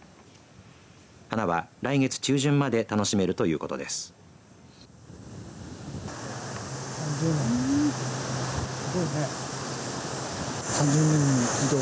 花は来月中旬まで楽しめるということです。